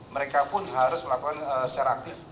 mereka pun harus melakukan secara aktif